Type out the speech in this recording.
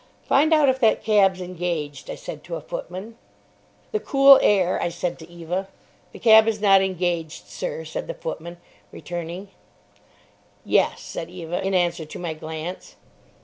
"Find out if that cab's engaged," I said to a footman. "The cool air——" I said to Eva. "The cab is not engaged, sir," said the footman, returning. "Yes," said Eva, in answer to my glance.